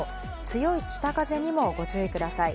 強い北風にもご注意ください。